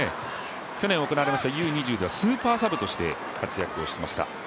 去年行われましたＵー１７ではスーパーサブとして活躍していました。